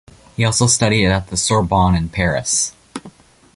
He also studied at the Sorbonne in Paris.